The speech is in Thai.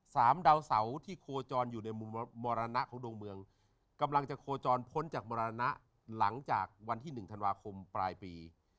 ดาวเสาที่โคจรอยู่ในมุมมรณะของดวงเมืองกำลังจะโคจรพ้นจากมรณะหลังจากวันที่หนึ่งธันวาคมปลายปี